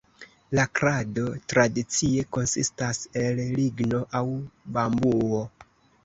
La krado tradicie konsistas el ligno aŭ bambuo.